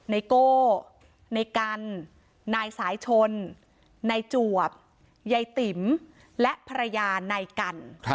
ในโกในกรรณ์นายสายชนในจวบใยติ๋มและภรรยาในกรรณ์